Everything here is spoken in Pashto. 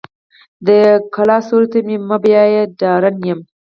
د کلا سیوري ته مې مه بیایه ډارنه یم.